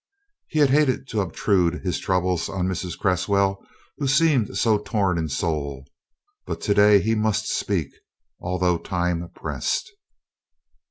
He had hated to obtrude his troubles on Mrs. Cresswell, who seemed so torn in soul. But today he must speak, although time pressed.